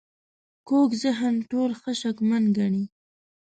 کوږ ذهن ټول ښه شکمن ګڼي